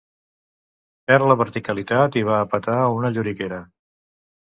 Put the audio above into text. Perd la verticalitat i va a petar a una lloriguera.